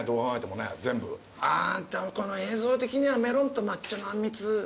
あでもこの映像的にはメロンと抹茶のあんみつ。